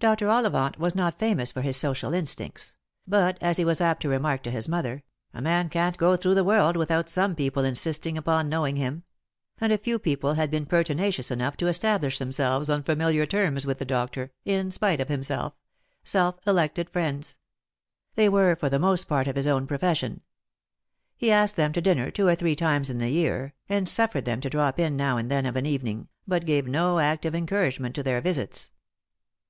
Dr. Olllvant was not famous for his social instincts ; but, as he was apt to remark to his mother, " a man can't go through the world without some people insisting upon knowing him ;" and a few people had been pertinacious enough to establish them selves on familiar terms with the doctor, in spite of himself — Eelf elected friends. They were for the most part of his own profession. He asked them to dinner two or three times in the year, and suffered them to drop in now and then of an evening, but gave no active encouragement to their visits.